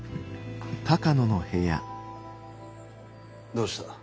どうした。